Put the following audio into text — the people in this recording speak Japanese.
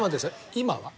今は？